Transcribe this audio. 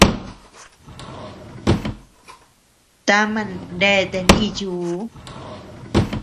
Tama neatea nichiu.